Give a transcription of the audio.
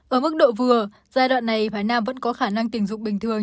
ở mức độ vừa giai đoạn này phái nam vẫn có khả năng tình dục bình thường